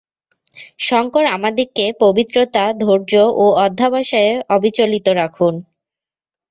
শঙ্কর আমাদিগকে পবিত্রতা, ধৈর্য ও অধ্যবসায়ে অবিচলিত রাখুন।